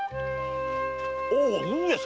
おお上様。